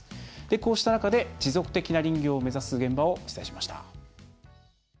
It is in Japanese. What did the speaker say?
こうした中で持続的な林業を目指す現場を取材しました。